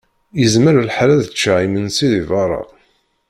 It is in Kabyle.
Yezmer lḥal ad ččeɣ imensi di berra.